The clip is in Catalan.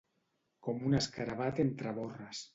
Com un escarabat entre borres.